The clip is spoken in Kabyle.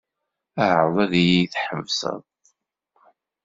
Ɛreḍ ad iyi-tḥebsed.